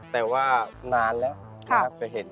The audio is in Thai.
แต่ว่านานแล้วนะครับจะเห็น